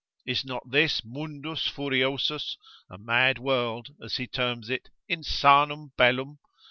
Is not this mundus furiosus, a mad world, as he terms it, insanum bellum?